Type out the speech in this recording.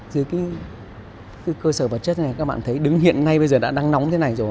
dưới cái cơ sở vật chất này các bạn thấy đứng hiện nay bây giờ đã đang nóng thế này rồi